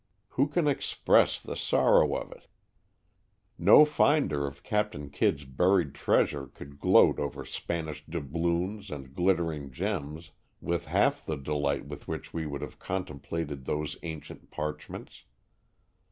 Who can express the sorrow of it? No finder of Captain Kidd's buried treasure could gloat over Spanish doubloons and glittering gems with half the delight with which we would have contemplated those ancient parchments.